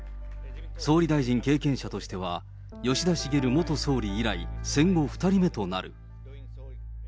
総理大臣経験者としては、吉田茂元総理以来、戦後２人目となる。